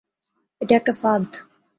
এটা একটা ফাঁদ।